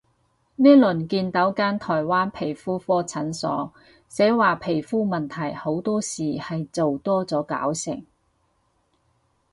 呢輪見到間台灣皮膚科診所，寫話皮膚問題好多時係做多咗搞成